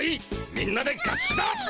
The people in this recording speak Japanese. みんなで合宿だ。